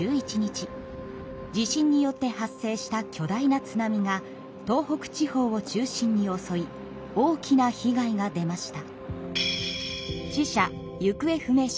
地震によって発生した巨大な津波が東北地方を中心におそい大きな被害が出ました。